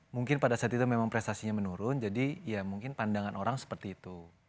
mungkin pada saat itu memang prestasinya menurun jadi ya mungkin pandangan orang seperti itu